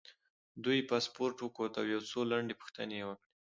دوی پاسپورټ وکوت او یو څو لنډې پوښتنې یې وکړې.